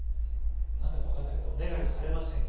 何だか分かんないけどお願いされません。